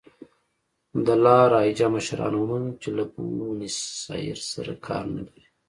د لا رایجا مشرانو ومنله چې له بونیسایرس سره کار نه لري.